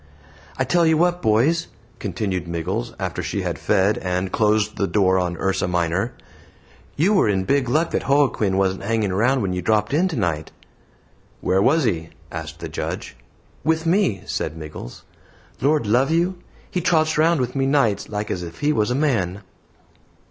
"I tell you what, boys," continued Miggles after she had fed and closed the door on URSA MINOR, "you were in big luck that Joaquin wasn't hanging round when you dropped in tonight." "Where was he?" asked the Judge. "With me," said Miggles. "Lord love you; he trots round with me nights like as if he was a man."